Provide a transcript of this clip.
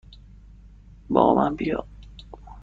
با من بیا!